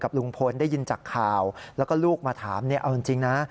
ลุงพลได้ยินจากข่าวแล้วก็ลูกมาถามเนี่ยเอาจริงนะ